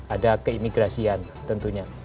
ada keimigrasian tentunya